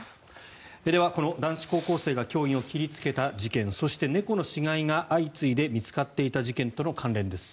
では、この男子高校生が教員を切りつけた事件そして猫の死骸が相次いで見つかった事件との関連です。